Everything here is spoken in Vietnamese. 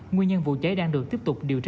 nguyên nhân vụ cháy đang được tiếp tục điều tra